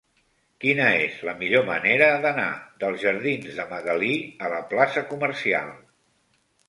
Quina és la millor manera d'anar dels jardins de Magalí a la plaça Comercial?